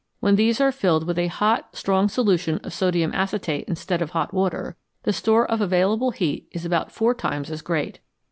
When these are filled with a hot, strong solution of sodium acetate instead of hot water, the store of available heat is about four times as great.